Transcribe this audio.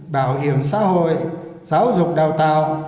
bảo hiểm xã hội giáo dục đào tạo